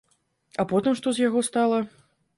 А потым што з яго стала?